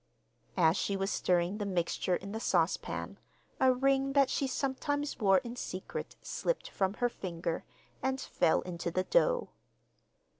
As she was stirring the mixture in the saucepan a ring that she sometimes wore in secret slipped from her finger and fell into the dough.